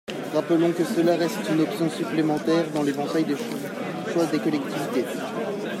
Rappelons que cela reste une option supplémentaire dans l’éventail des choix des collectivités.